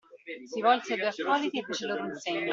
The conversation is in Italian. Si volse ai due accoliti e fece loro un segno.